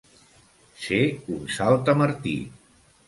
Ser un saltamartí.